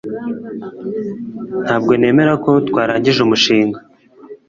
Ntabwo nemera ko twarangije umushinga